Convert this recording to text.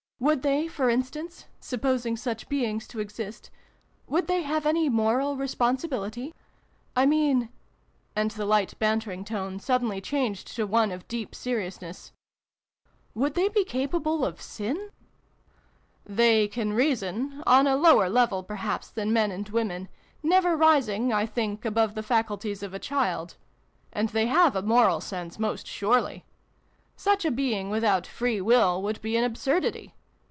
Would they, for instance (supposing such beings to exist), would they have any moral responsi bility ? I mean " (and the light bantering tone suddenly changed to one of deep seriousness) "would they be capable of sin?" " They can reason on a lower level, per haps, than men and women never rising, I think, above the faculties of a child ; and they have a moral sense, most surely. Such a being, without free will, would be an absurdity.